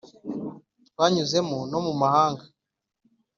twanyuzemo no mu mahanga